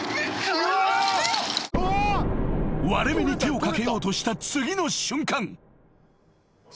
［割れ目に手を掛けようとした次の瞬間］